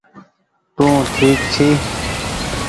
تونٚ ٺيڪ ڇي